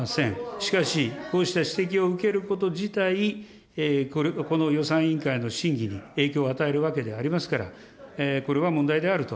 しかし、こうした指摘を受けること自体、この予算委員会の審議に影響を与えるわけでありますから、これは問題であると。